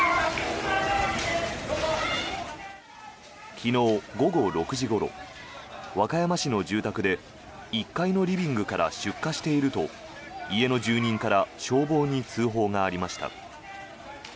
昨日午後６時ごろ和歌山市の住宅で１階のリビングから出火していると家の住人から消防に通報がありました。